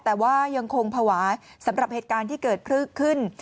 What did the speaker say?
แต่ว่ายังคงภาวะสำหรับเหตุการณ์ที่เกิดขึ้น